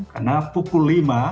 karena pukul lima